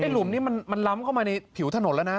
หลุมนี้มันล้ำเข้ามาในผิวถนนแล้วนะ